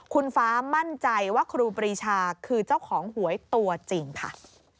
คุณฟ้ามั่นใจว่าครูปรีชาคือเจ้าของหวยตัวจริงค่ะ